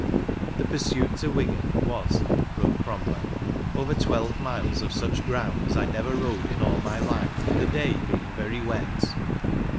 The pursuit to Wigan was, wrote Cromwell, over " twelve miles of such ground as I never rode in all my life, the day being very wet."